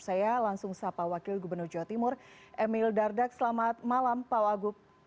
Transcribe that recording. saya langsung sapa wakil gubernur jawa timur emil dardak selamat malam pak wagub